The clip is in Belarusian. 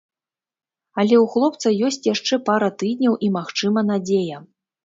Але ў хлопца ёсць яшчэ пара тыдняў і, магчыма, надзея.